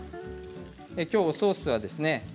きょうソースはですね